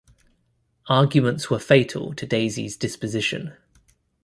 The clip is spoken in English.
Arguments were fatal to Daisy's disposition.